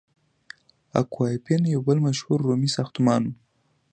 اکوا اپین وی یو بل مشهور رومي ساختمان و.